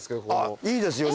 いいですよね。